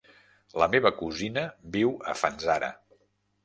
La meva cosina viu a Fanzara.